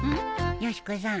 よし子さん